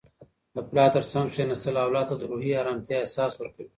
د پلار تر څنګ کښیناستل اولاد ته د روحي ارامتیا احساس ورکوي.